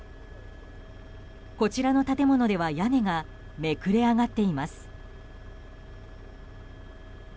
こちらの建物では屋根がめくれあがっています。